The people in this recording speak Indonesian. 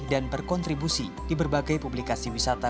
dan berkontribusi di berbagai publikasi wisata